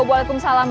kayakin masih mas